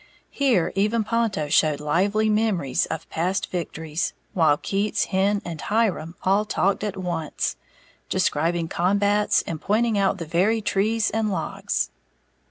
Here even Ponto showed lively memories of past victories, while Keats, Hen and Hiram all talked at once, describing combats, and pointing out the very trees and logs.